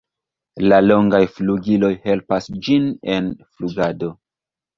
La longaj flugiloj helpas ĝin en flugado.